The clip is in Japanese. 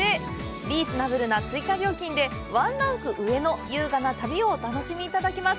リーズナブルな追加料金でワンランク上の優雅な旅をお楽しみいただけます。